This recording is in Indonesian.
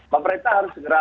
pemerintah harus segera